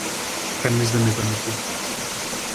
Κανείς δεν ήταν εκεί